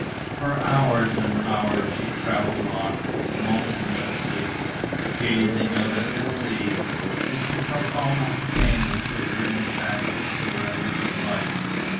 For hours and hours she travelled on, motionlessly, gazing out at the sea; and she felt almost painless with her impassive surrender of life.